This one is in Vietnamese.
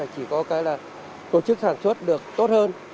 chỉ có cái là tổ chức sản xuất được tốt hơn